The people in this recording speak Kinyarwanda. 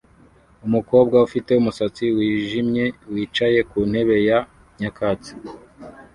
Umukobwa ufite umusatsi wijimye wicaye ku ntebe ya nyakatsi